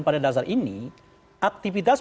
pada dasar ini aktivitas